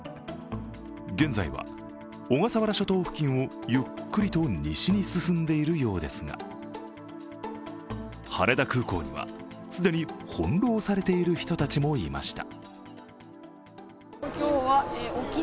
現在は小笠原諸島付近をゆっくりと西に進んでいるようですが、羽田空港には既に翻弄されている人たちもいました。